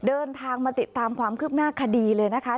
เดินทางมาติดตามความคืบหน้าคดีเลยนะคะ